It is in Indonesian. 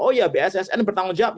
oh ya bssn bertanggung jawab